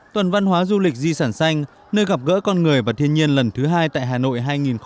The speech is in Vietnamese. tuần văn hóa du lịch di sản xanh nơi gặp gỡ con người và thiên nhiên lần thứ hai tại hà nội hai nghìn một mươi chín